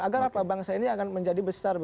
agar apa bangsa ini akan menjadi besar